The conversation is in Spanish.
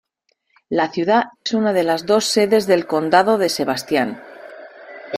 La ciudad es una de las dos sedes del condado de Sebastian.